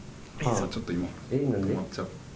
ちょっと今止まっちゃって。